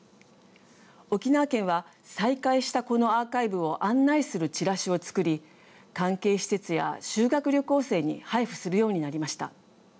沖縄県は、再開したこのアーカイブを案内するちらしを作り関係施設や修学旅行生に配布するようになりました。